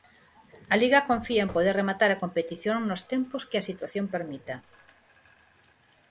A Liga confía en poder rematar a competición nos tempos que a situación permita.